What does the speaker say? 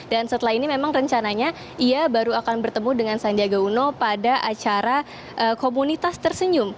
dan setelah ini memang rencananya ia baru akan bertemu dengan sandiaga uno pada acara komunitas tersenyum